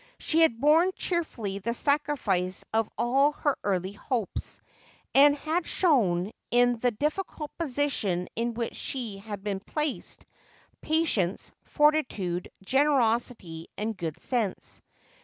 She had borne cheerfully the sacrifice of all her early hopes, and had shown, in the difficult position in which she had been placed, patience, fortitude, generosity, and good sense.